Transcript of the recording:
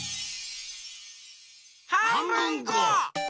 はんぶんこ！